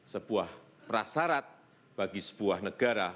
sebuah prasarat bagi sebuah negara